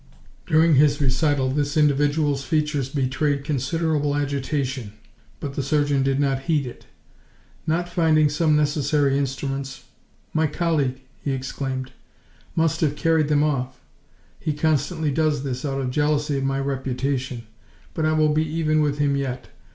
During his recital this individual's features betrayed considerable agitation, but the surgeon did not heed it. Not finding some necessary instruments, "My colleague," he exclaimed, "must have carried them off. He constantly does this, out of jealousy of my reputation; but I will be even with him yet!